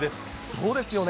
そうですよね。